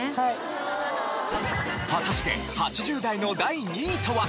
果たして８０代の第２位とは？